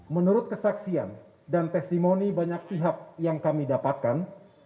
menurut kesaksian dan testimoni banyak pihak yang kami dapatkan